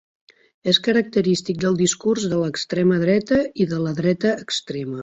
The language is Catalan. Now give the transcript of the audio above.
És característic del discurs de l'extrema dreta i la dreta extrema.